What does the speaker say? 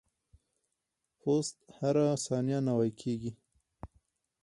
پوست هره ثانیه نوي کیږي.